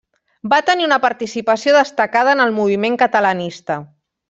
Va tenir una participació destacada en el moviment catalanista.